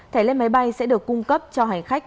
thẻ lên máy bay sẽ được cung cấp cho hành khách